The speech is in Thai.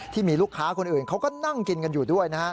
ที่มีลูกค้าคนอื่นเขาก็นั่งกินกันอยู่ด้วยนะฮะ